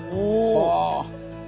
はあ！